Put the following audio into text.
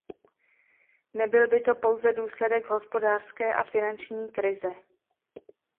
Nebyl by to pouze důsledek hospodářské a finanční krize.